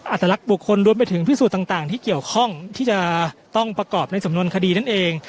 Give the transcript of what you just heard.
อัตลักษณ์บุคคลรวมไปถึงพิสูจน์ต่างที่เกี่ยวข้องที่จะต้องประกอบในสำนวนคดีนั่นเอง